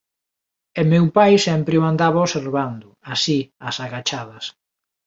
E meu pai sempre o andaba observando, así, ás agachadas.